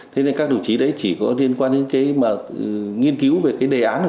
thế nên các đồng chí đấy chỉ có liên quan đến cái mà nghiên cứu về cái đề án này